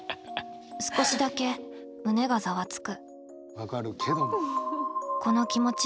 少しだけ胸がざわつく。